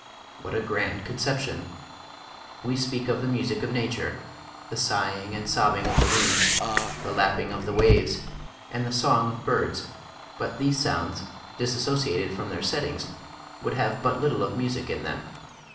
What a grand conception! We speak of the music of nature, the sighing and sobbing of the winds, the lapping of the waves, and the song of birds, but these sounds, disassociated from their settings, would have but little of music in them.